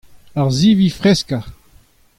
Ar sivi freskañ.